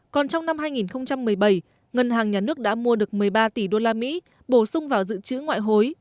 còn trong năm hai nghìn một mươi bảy ngân hàng nhà nước đã mua được một mươi ba tỷ đô la mỹ bổ sung vào dự trữ ngoại hối